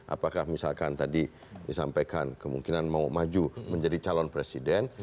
apakah misalkan tadi disampaikan kemungkinan mau maju menjadi calon presiden